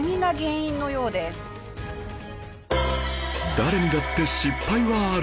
誰にだって失敗はある